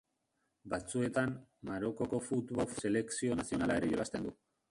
Batzuetan, Marokoko Futbol Selekzio Nazionala ere jolasten du